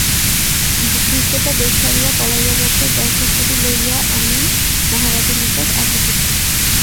ভৃত্যটা দেশ ছাড়িয়া পলাইয়া গেছে, দরখাস্তটি লইয়া আমি মহারাজের নিকট আসিতেছি।